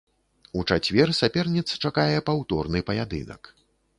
У чацвер саперніц чакае паўторны паядынак.